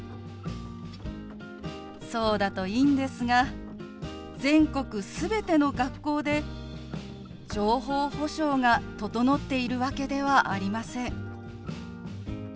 そうだといいんですが全国全ての学校で情報保障が整っているわけではありません。